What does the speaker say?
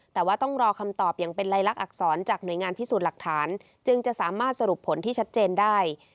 แต่ว่าต้องรอคำตอบอย่างเป็นลายลักษณอักษรจากหน่วยงานพิสูจน์หลักฐานจึงจะสามารถสรุปผลที่ชัดเจนได้